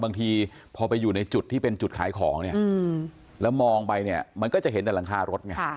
บางทีพอไปอยู่ในจุดที่เป็นจุดขายของเนี่ยแล้วมองไปเนี่ยมันก็จะเห็นแต่หลังคารถไง